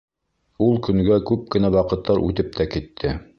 Ул көнгә күп кенә ваҡыттар үтеп тә китте.